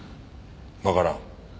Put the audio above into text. わからん。